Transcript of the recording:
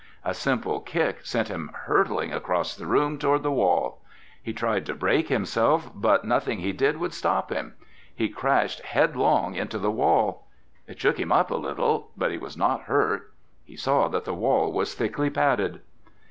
A simple kick sent him hurtling across the room toward the wall! He tried to brake himself, but nothing he did would stop him. He crashed headlong into the wall. It shook him up a little, but he was not hurt. He saw that the wall was thickly padded.